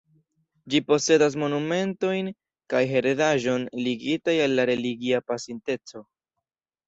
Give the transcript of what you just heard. Ĝi posedas monumentojn kaj heredaĵon ligitaj al la religia pasinteco.